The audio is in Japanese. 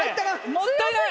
もったいない！